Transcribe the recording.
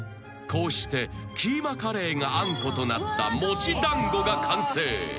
［こうしてキーマカレーがあんことなった餅団子が完成］